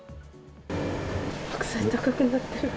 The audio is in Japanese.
白菜高くなっている。